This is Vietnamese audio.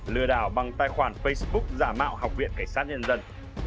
lừa đảo bằng tài khoản facebook giả mạo học viện cảnh sát nhân dân